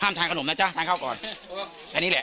ทานขนมนะจ๊ะทานข้าวก่อนอันนี้แหละ